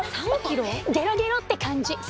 ゲロゲロって感じ！